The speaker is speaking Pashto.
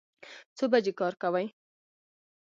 څو بجې کار کوئ؟